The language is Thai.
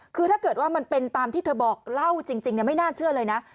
คือถ้าเกิดว่ามันเป็นตามที่เธอบอกเล่าจริงไม่น่าเชื่อเลยนะ